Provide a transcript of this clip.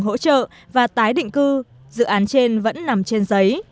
hỗ trợ và tái định cư dự án trên vẫn nằm trên giấy